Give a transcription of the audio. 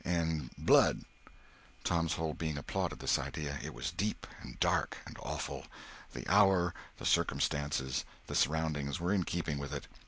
And blood." Tom's whole being applauded this idea. It was deep, and dark, and awful; the hour, the circumstances, the surroundings, were in keeping with it.